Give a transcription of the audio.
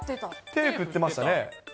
手振ってましたね。